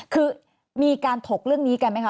คือมีการถกเรื่องนี้กันไหมคะ